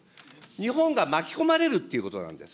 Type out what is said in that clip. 日本が巻き込まれるということなんです。